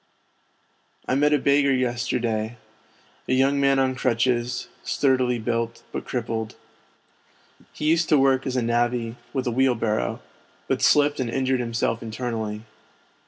I met a beggar yesterday, a young man on crutches, sturdily built, but crippled. He used to work as a navvy, with a wheelbarrow, but slipped and injured himself internally.